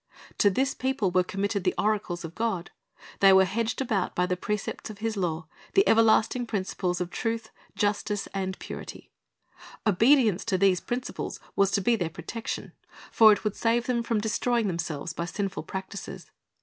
To this people were committed the oracles of God, They were hedged about by the precepts of His law, the everlasting principles of truth, justice, and purity. Obedience to these principles was to be their protection, for it would lDeut.8:is; Ps. 78:24 "Oeut. 32 : 9 12 288 Ch ri s t's bj c c t Lessons save them from destroying themselves by sinful practises.